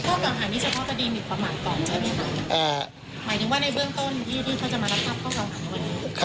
เข้าข่าวหานี้เฉพาะคดีมินประมาณก่อนนะครับ